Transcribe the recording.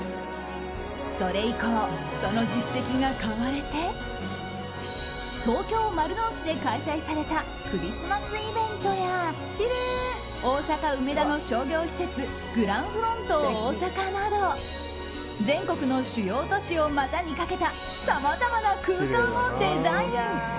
それ以降、その実績が買われて東京・丸の内で開催されたクリスマスイベントや大阪・梅田の商業施設グランフロント大阪など全国の主要都市を股にかけたさまざまな空間をデザイン。